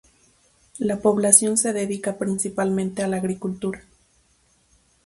La población se dedica principalmente a la agricultura.